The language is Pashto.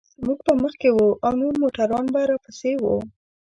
موږ به مخکې وو او نور موټران به راپسې و.